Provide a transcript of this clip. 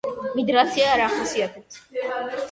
მიგრაცია არ ახასიათებთ.